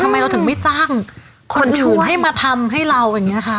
ทำไมเราถึงไม่จ้างคนชูให้มาทำให้เราอย่างนี้ค่ะ